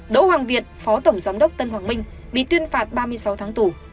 đỗ hoàng việt phó tổng giám đốc tân hoàng minh bị tuyên phạt ba mươi sáu tháng tù